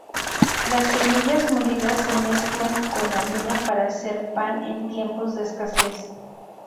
Las semillas molidas se mezclan con harina para hacer pan en tiempos de escasez.